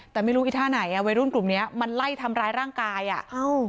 แต่ไม่รู้อีท่าไหนอ่ะวัยรุ่นกลุ่มเนี้ยมันไล่ทำร้ายร่างกายอ่ะเอ้า